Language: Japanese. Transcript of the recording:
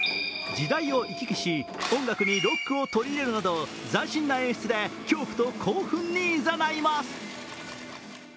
時代を行き来し、音楽にロックを取り入れるなど斬新な演出で恐怖と興奮にいざないます。